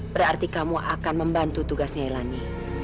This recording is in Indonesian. berarti kamu akan membantu tugas nyai lani